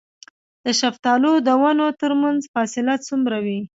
د شفتالو د ونو ترمنځ فاصله څومره وي؟